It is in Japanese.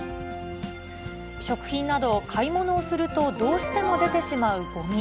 食品など、買い物をするとどうしても出てしまうごみ。